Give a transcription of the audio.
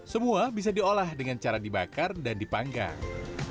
semua bisa diolah dengan cara dibakar dan dipanggang